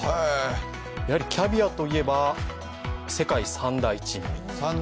やはりキャビアといえば世界三大珍味。